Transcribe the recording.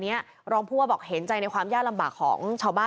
รองผู้ว่าบอกเห็นใจในความยากลำบากของชาวบ้าน